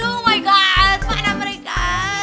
oh my god mana mereka